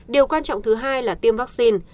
điều quan trọng thứ hai là tiêm vaccine